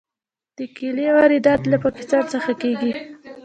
د کیلې واردات له پاکستان څخه کیږي.